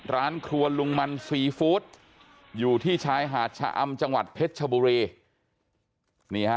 ร้านครัวลุงมันซีฟู้ดอยู่ที่ชายหาดชะอำจังหวัดเพชรชบุรีนี่ฮะ